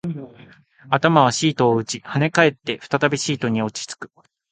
頭はシートを打ち、跳ね返って、再びシートに落ち着く